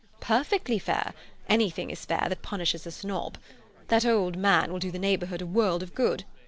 "Perfectly fair. Anything is fair that punishes a snob. That old man will do the neighbourhood a world of good.